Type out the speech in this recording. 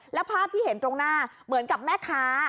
แล้วภาพที่เห็นตรงหน้าเหมือนกับแม่ค้า